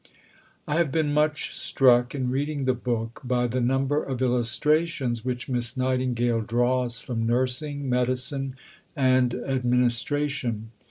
I have been much struck in reading the book by the number of illustrations which Miss Nightingale draws from nursing, medicine, and administration.